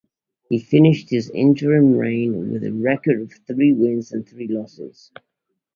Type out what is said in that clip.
He finished his interim reign with a record of three wins and three losses.